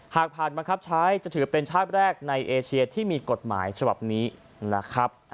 หากผ่านบังคับใช้จะถือเป็นชาติแรกในเอเชียที่มีกฎหมายฉบับนี้นะครับ